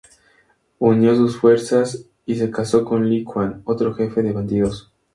Unió sus fuerzas y se casó con Li Quan, otro jefe de bandidos.